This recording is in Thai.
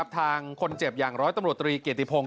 ทางคนเจ็บอย่างร้อยตำรวจตรีเกียรติพงศ